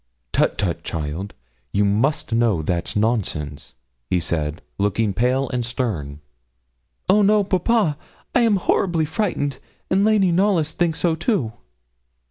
'Tut, tut, child. You must know that's nonsense,' he said, looking pale and stern. 'Oh no, papa. I am horribly frightened, and Lady Knollys thinks so too.'